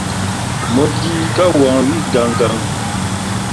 Mo gi ka wanwi gaŋgaŋ.